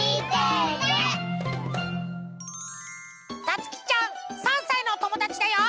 たつきちゃん３さいのおともだちだよ！